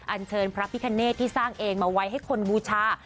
อันเชิญพระพิคเนตที่สร้างเองมาไว้ให้คนบูชา